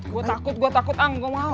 gue takut gue takut ah gue mau